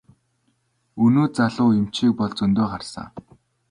Өнөө залуу эмчийг бол зөндөө харсан.